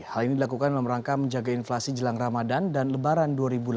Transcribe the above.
hal ini dilakukan dalam rangka menjaga inflasi jelang ramadan dan lebaran dua ribu delapan belas